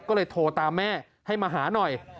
ก็เลยโทรตามแม่ให้มาหาหน่อย